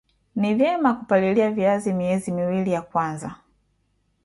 ni vyema kupalilia viazi miezi miwili ya kwanza